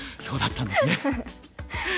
そうだったんですね。